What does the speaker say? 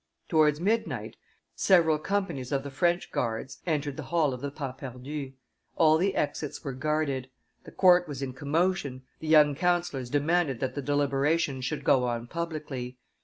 Towards midnight, several companies of the French guards entered the hall of the Pas Perdus; all the exits were guarded. The court was in commotion, the young councillors demanded that the deliberations should go on publicly.